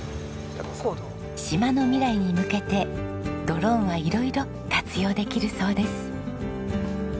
島の未来に向けてドローンは色々活用できるそうです。